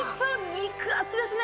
肉厚ですね。